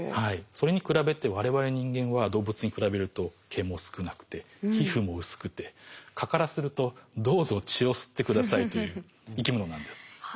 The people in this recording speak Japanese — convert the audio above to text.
それに比べて我々人間は動物に比べると毛も少なくて皮膚も薄くて蚊からするとどうぞ血を吸って下さいという生き物なんです。